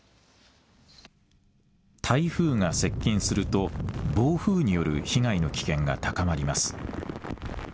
台風が接近すると暴風による被害の危険が高まります。